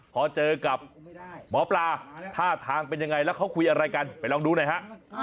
พอเจอกับหมอปลาท่าทางเป็นยังไงแล้วเขาคุยอะไรกันไปลองดูหน่อยฮะ